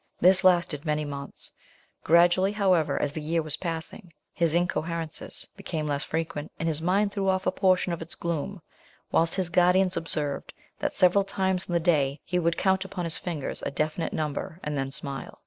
This lasted many months: gradually, however, as the year was passing, his incoherences became less frequent, and his mind threw off a portion of its gloom, whilst his guardians observed, that several times in the day he would count upon his fingers a definite number, and then smile.